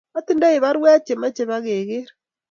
Atindoi barwek che meche ba ker